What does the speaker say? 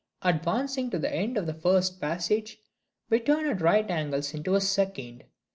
Advancing to the end of the first passage, we turn at right angles into a second.